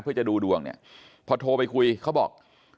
เพื่อจะดูดวงเนี่ยพอโทรไปคุยเขาบอก